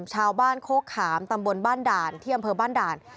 ชาวบ้านโคกขามตำบลบ้านด่านที่อำเภอบ้านด่าน